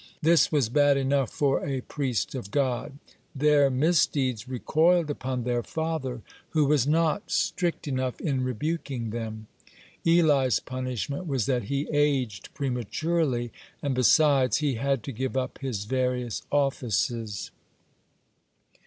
(26) This was bad enough for priest of God. Their misdeeds recoiled upon their father, who was not strict enough in rebuking them. Eli's punishment was that he aged prematurely, and, besides, he had to give up his various offices.